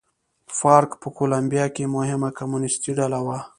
فارک په کولمبیا کې مهمه کمونېستي ډله وه.